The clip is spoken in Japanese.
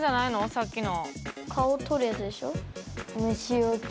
さっきの。